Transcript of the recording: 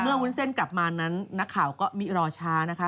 วุ้นเส้นกลับมานั้นนักข่าวก็ไม่รอช้านะคะ